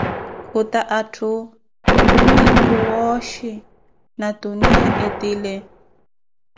Khuta atthu olumweeku wooxhi, ya tuniya etile.